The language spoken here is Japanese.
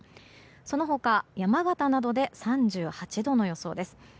その他、山形などで３８度の予想です。